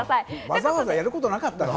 わざわざやることなかったな。